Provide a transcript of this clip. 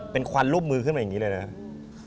เป็นควันรูปมือขึ้นมาอย่างนี้เลยนะครับ